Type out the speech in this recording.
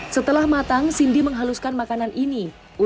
setelah matang cindy menghaluskan makanan ini